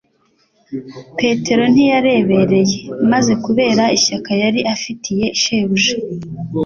Petero ntiyarebereye : maze kubera ishyaka yari afitiye Shebuja,